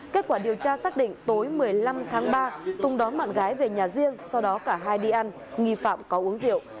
kết quả điều tra xác định tối một mươi năm tháng ba tùng đón bạn gái về nhà riêng sau đó cả hai đi ăn nghi phạm có uống rượu